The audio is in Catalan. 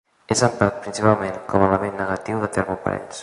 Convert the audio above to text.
És emprat principalment com a element negatiu de termoparells.